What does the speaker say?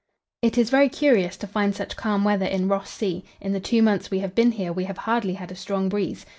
It is very curious to find such calm weather in Ross Sea; in the two months we have been here we have hardly had a strong breeze.